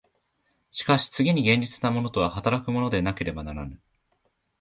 しかし次に現実的なものとは働くものでなければならぬ。